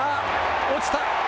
落ちた。